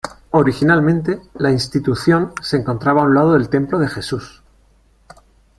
Originalmente, la institución se encontraba a un lado del Templo de Jesús.